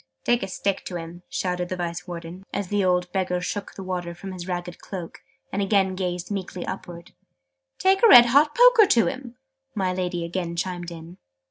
"Take a stick to him!" shouted the Vice Warden, as the old Beggar shook the water from his ragged cloak, and again gazed meekly upwards. "Take a red hot poker to him!" my Lady again chimed in.